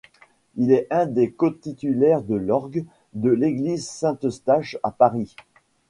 Il est un des co-titulaires de l'orgue de l'église Saint-Eustache à Paris.